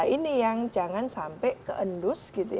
ini yang jangan sampai keendus